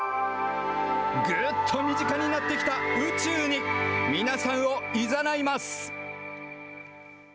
ぐっと身近になってきた宇宙に、皆さんをいざないます。